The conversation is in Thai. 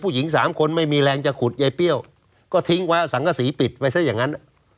หญิงสามคนไม่มีแรงจะขุดยายเปรี้ยวก็ทิ้งไว้สังกษีปิดไปซะอย่างนั้น